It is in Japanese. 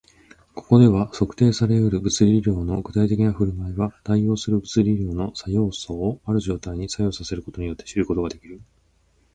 ここでは、測定され得る物理量の具体的な振る舞いは、対応する物理量の作用素をある状態に作用させることによって知ることができる